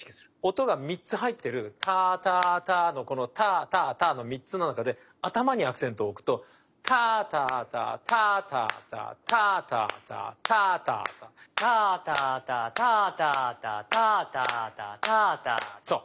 音が３つ入ってるタタタのこのタタタの３つの中で頭にアクセントを置くとタタタタタタタタタタタタタタタタタタタタタタタタそう。